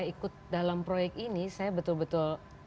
ikut dalam proyek ini saya betul betul